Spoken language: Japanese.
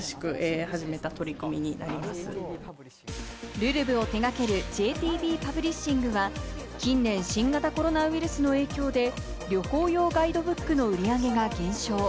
『るるぶ』を手掛けるＪＴＢパブリッシングは、近年、新型コロナウイルスの影響で旅行用ガイドブックの売り上げが減少。